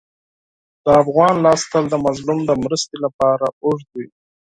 د افغان لاس تل د مظلوم د مرستې لپاره اوږد وي.